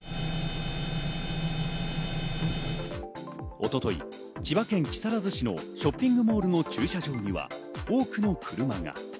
一昨日、千葉県木更津市のショッピングモールの駐車場には多くの車が。